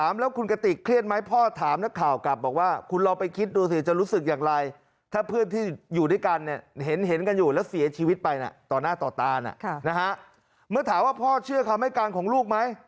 เมื่อถามว่าพ่อเชื่อคำให้การของลูกไหม